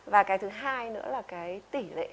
và cái thứ hai nữa là tỷ lệ